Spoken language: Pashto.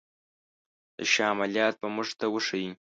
د شاه عملیات به موږ ته وښيي.